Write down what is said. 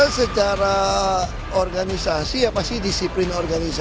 ya kita secara organisasi ya pasti disiplin organisasi ya